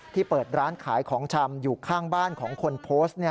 เปิดร้านขายของชำอยู่ข้างบ้านของคนโพสต์